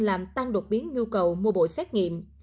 làm tăng đột biến nhu cầu mua bộ xét nghiệm